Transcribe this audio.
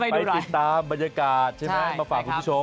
ไปติดตามบรรยากาศมาฝากคุณผู้ชม